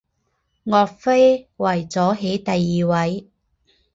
岳飞为左起第二位。